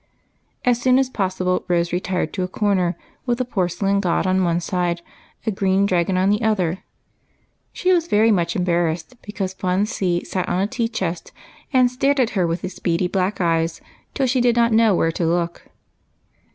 As soon as possible Rose retired to a corner, with a porcelain god on one side, a green dragon on the other, and, what was still more embarrassing. Fun See sat on a tea chest in front, and stared at her with his beady black eyes till she did not know where to look.